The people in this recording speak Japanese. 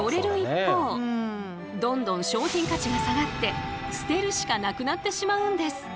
どんどん商品価値が下がって捨てるしかなくなってしまうんです。